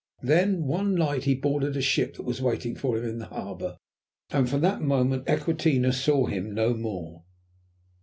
Then, one night he boarded a ship that was waiting for him in the harbour, and from that moment Equinata saw him no more.